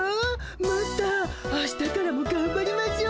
マスター明日からもがんばりましょう。